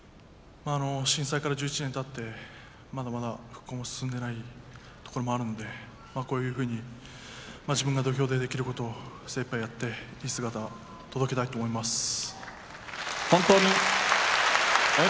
震災から１１年たってまだまだ復興も進んでいないところもあるんでこういうふうに自分が土俵でできることを精いっぱいやっていい姿を届けたいと思います。